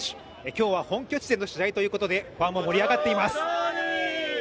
今日は本拠地での試合ということで、ファンも盛り上がっています。